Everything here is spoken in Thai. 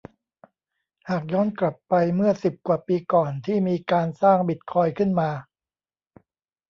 หากย้อนกลับไปเมื่อสิบกว่าปีก่อนที่มีการสร้างบิตคอยน์ขึ้นมา